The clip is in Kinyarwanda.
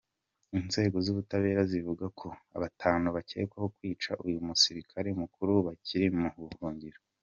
Inzego z’ubutabera zivuga ko batanu bakekwaho kwica uyu musirikare mukuru bakiri mu buhungiro.